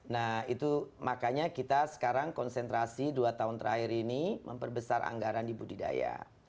nah itu makanya kita sekarang konsentrasi dua tahun terakhir ini memperbesar anggaran di budidaya